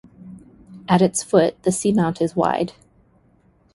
At its foot the seamount is wide.